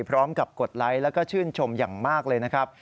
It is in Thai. กดไลค์แล้วก็ชื่นชมอย่างมากเลยนะครับ